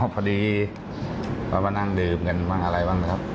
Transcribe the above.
พอดีเรามานั่งดื่มกันบ้างอะไรบ้างไหมครับ